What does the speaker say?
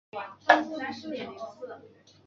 种族跟宗教原因已不再是问题。